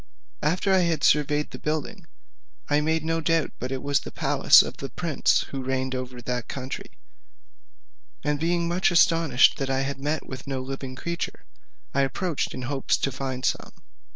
After I had surveyed the building, I made no doubt but it was the palace of the prince who reigned over that country: and being much astonished that I had not met with one living creature, I approached in hopes to find some.